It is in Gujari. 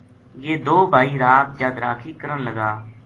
یہ دو بھائی رات جد راکھی کرن لگا